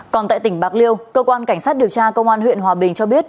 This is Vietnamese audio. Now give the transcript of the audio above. còn tại tỉnh bạc liêu cơ quan cảnh sát điều tra công an huyện hòa bình cho biết